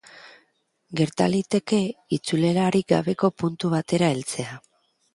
Gerta liteke itzulerarik gabeko puntu batera heltzea.